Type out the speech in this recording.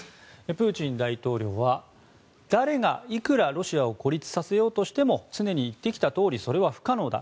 プーチン大統領は誰がいくらロシアを孤立させようとしても常に言ってきたとおりそれは不可能だ。